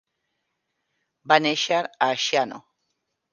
Va néixer a Asciano.